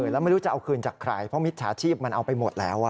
แล้วไม่รู้จะเอาคืนจากใครเพราะมิจฉาชีพมันเอาไปหมดแล้ว